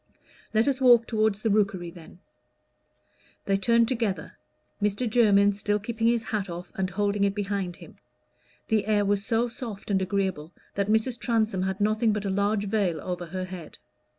"Let us walk toward the Rookery, then." They turned together, Mr. Jermyn still keeping his hat off and holding it behind him; the air was so soft and agreeable that Mrs. Transome had nothing but a large veil over her head.